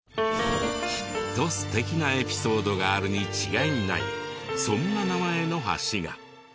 きっと素敵なエピソードがあるに違いないそんな名前の橋が。